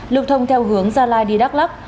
lục thông theo hướng gia lai đi đắk lắc